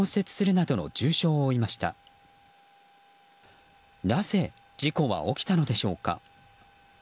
なぜ事故は起きたのでしょうか。